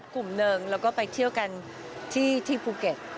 กลุ่มหนึ่งแล้วก็ไปเที่ยวกันที่ภูเก็ต